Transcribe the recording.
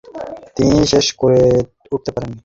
তিনি তা শেষ করে উঠতে পারেননি।